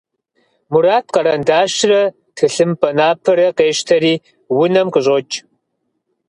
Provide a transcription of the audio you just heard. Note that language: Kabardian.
Мурат къэрэндащрэ тхылъымпӀэ напэрэ къещтэри унэм къыщӀокӀ.